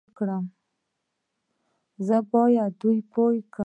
زه بايد دوی پوه کړم